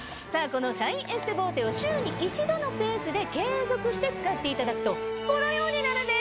このシャインエステボーテを週に１度のペースで継続して使っていただくとこのようになるんです。